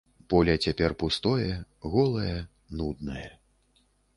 Поле цяпер пустое, голае, нуднае.